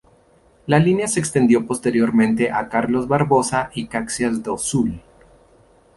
La línea se extendió posteriormente a Carlos Barbosa y Caxias do Sul.